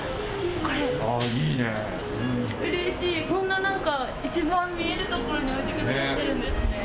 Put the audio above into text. うれしい、こんないちばん見えるところに置いてくださっているんですね。